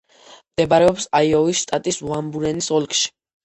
მდებარეობს აიოვის შტატის ვან-ბურენის ოლქში.